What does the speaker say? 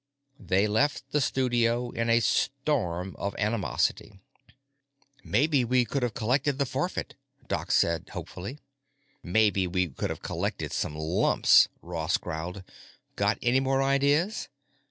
They left the studio in a storm of animosity. "Maybe we could have collected the forfeit," Doc said hopefully. "Maybe we could have collected some lumps," Ross growled. "Got any more ideas?"